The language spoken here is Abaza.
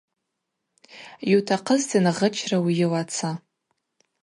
Йутахъызтын гъычра уйылаца.